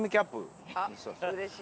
うれしい。